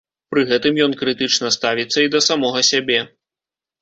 Пры гэтым ён крытычна ставіцца і да самога сябе.